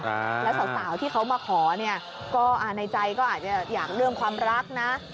แล้วสาวที่เขามาขอเนี่ยก็ในใจก็อาจจะอยากเรื่องความรักนะ